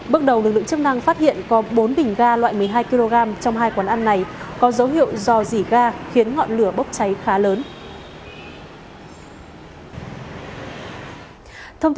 bước đầu lực lượng chức năng phát hiện có bốn bình ga loại một mươi hai kg trong hai quán ăn này có dấu hiệu dò dỉ ga khiến ngọn lửa bốc cháy khá lớn